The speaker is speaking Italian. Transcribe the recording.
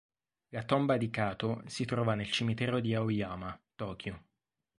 La tomba di Katō si trova nel cimitero di Aoyama, Tokyo.